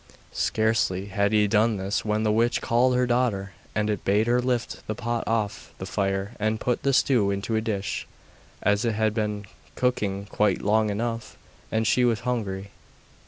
Scarcely had he done this when the witch called her daughter and bade her lift the pot off the fire and put the stew into a dish, as it had been cooking quite long enough and she was hungry.